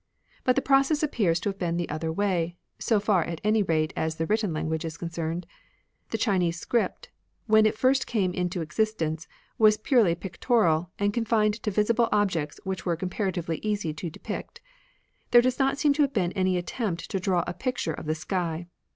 But the process appears to have been the other way, so far at any rate as the written language is concerned. The Chinese script, when it first came into existence, wa^s pmrely pictorial, and confined to visible objects which were comparatively easy to depict. There does not seem to have been any attempt to draw a picture of the sky.